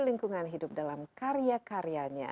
lingkungan hidup dalam karya karyanya